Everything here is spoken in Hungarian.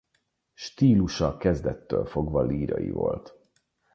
Stílusa kezdettől fogva lírai volt.